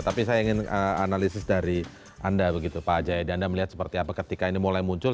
tapi saya ingin analisis dari anda begitu pak jayadi anda melihat seperti apa ketika ini mulai muncul